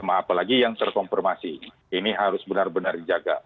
apalagi yang terkonfirmasi ini harus benar benar dijaga